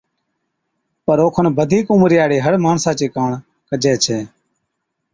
پر اوکن بڌِيڪ عمرِي ھاڙي ھر ماڻسا چي ڪاڻ ڪجَي ڇَي